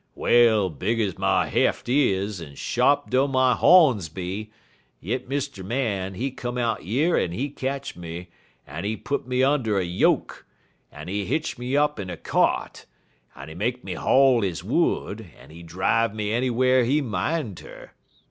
Well, big ez my heft is, en sharp dough my hawns be, yit Mr. Man, he come out yer en he ketch me, en he put me und' a yoke, en he hitch me up in a kyart, en he make me haul he wood, en he drive me anywhar he min' ter.